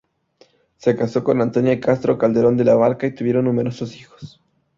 Se casó con "Antonia Castro Calderón de la Barca" y tuvieron numerosos hijos.